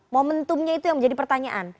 momentumnya itu yang menjadi pertanyaan